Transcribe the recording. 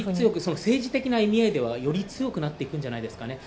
政治的な意味合いではより強くなっていくんじゃないですかね。